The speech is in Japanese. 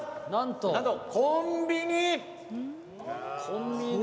なんとコンビニ！